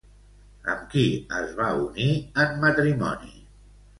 Amb qui es va unir en matrimoni?